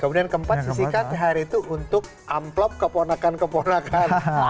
kemudian keempat sisikan thr itu untuk amplop keponakan keponakan